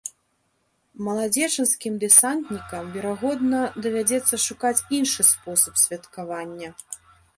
Маладзечанскім дэсантнікам, верагодна, давядзецца шукаць іншы спосаб святкавання.